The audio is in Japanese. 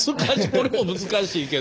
これも難しいけど。